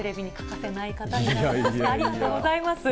ありがとうございます。